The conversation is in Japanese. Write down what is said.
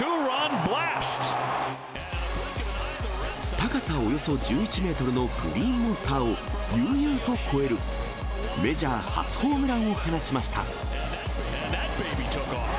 高さおよそ１１メートルのグリーンモンスターを悠々と越えるメジャー初ホームランを放ちました。